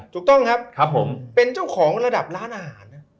ถูกต้องครับผมเป็นเจ้าของระดับร้านอาหารนะ